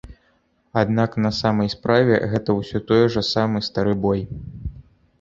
Аднак на самай справе гэта ўсё той жа самы стары бой.